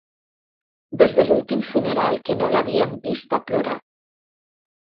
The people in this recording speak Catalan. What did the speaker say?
Des de l'últim funeral que no l'havíem vista plorar.